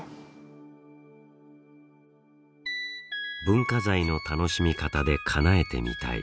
文化財の楽しみ方でかなえてみたい